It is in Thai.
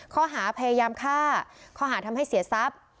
ข้อหาพยายามฆ่าข้อหาทำให้เสียทรัพย์